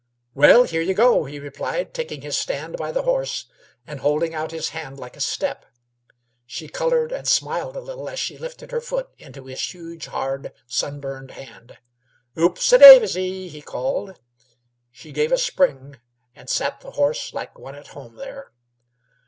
"Well, here y' go," he replied, taking his stand by the horse, and holding out his hand like a step. She colored and smiled a little as she lifted her foot into his huge, hard, sunburned hand. "Oop a daisy!" he called. She gave a spring, and sat on the horse like one at home there.